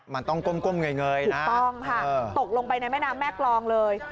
มันต้องก้มเงยถูกต้องค่ะตกลงไปในแม่น้ำแม่กรองเลย